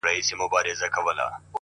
مثبت فکرونه انرژي زیاتوي،